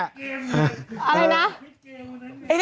อะไรนะ